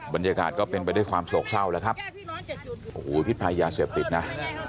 บรรยากาศก็เป็นไปด้วยความโศกเศร้าแล้วครับโอ้โหพิษภัยยาเสพติดนะ